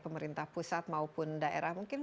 pemerintah pusat maupun daerah mungkin